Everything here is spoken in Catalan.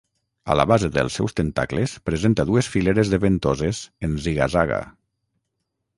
A la base dels seus tentacles presenta dues fileres de ventoses en ziga-zaga.